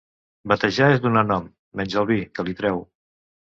Batejar és donar nom, menys al vi, que li treu.